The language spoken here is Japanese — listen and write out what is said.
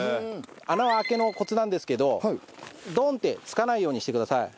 穴開けのコツなんですけどドンって突かないようにしてください。